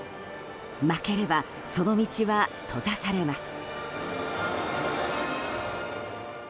負ければその道は閉ざされます。